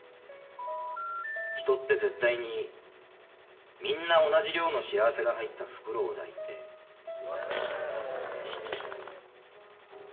人って絶対にみんな同じ量の幸せが入った袋を抱いて生まれてくるんだって信じてる。